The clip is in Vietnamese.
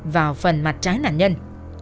vào phần mặt trái nạn nhân